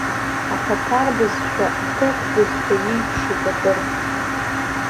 Аҭаҭар-бызшәа аҭырқә-бызшәа иеиԥшуп акыр.